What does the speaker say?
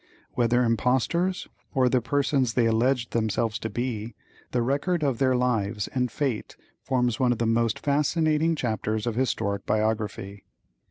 Whether impostors, or the persons they alleged themselves to be, the record of their lives and fate forms one of the most fascinating chapters of historic biography.